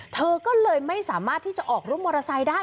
เธอก็เลยไม่สามารถที่จะออกรถมอเตอร์ไซค์ได้